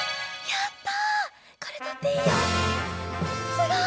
やった！